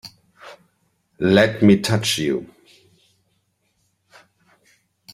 Let me touch you!